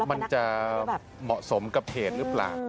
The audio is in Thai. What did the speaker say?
มันจะเหมาะสมกับเหตุหรือเปล่า